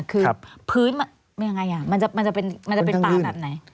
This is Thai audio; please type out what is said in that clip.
คือพื้นยังไงมันจะเป็นป่าแบบไหน